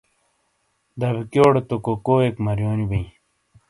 دبیکیوڈے توکوکوئیک مرونی بئی